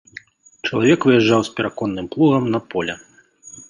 Чалавек выязджаў з параконным плугам на поле.